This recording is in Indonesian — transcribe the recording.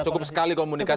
cukup sekali komunikasi